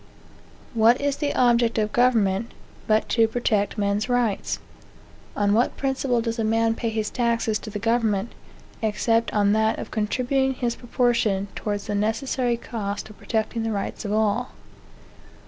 What is the object of government, but to protect men's rights? On what principle does a man pay his taxes to the government, except on that of contributing his proportion towards the necessary cost of protecting the rights of all?